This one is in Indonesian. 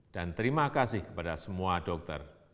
dan terima kasih kepada semua dokter